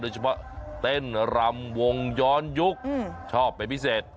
เฉพาะเต้นรำวงย้อนยุคชอบเป็นพิเศษ